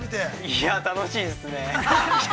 ◆いや、楽しいですね。